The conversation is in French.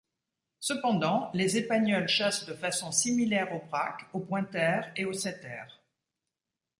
Cependant, les épagneuls chassent de façon similaire aux braques, au pointer et au setter.